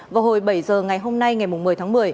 vào hồi bảy giờ ngày hôm nay ngày một mươi tháng một mươi